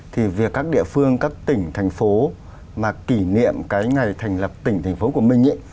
thì việc các địa phương các tỉnh thành phố mà kỷ niệm cái ngày thành lập tỉnh thành phố của mình ấy